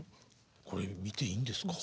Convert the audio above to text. これ見ていいんですか？